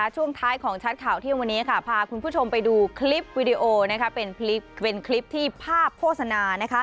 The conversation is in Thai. ช่วงท้ายของชัดข่าวเที่ยงวันนี้พาคุณผู้ชมไปดูคลิปวิดีโอเป็นคลิปที่ภาพโฆษณา